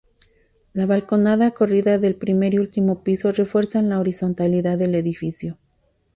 La balconada corrida del primer y último piso refuerzan la horizontalidad del edificio.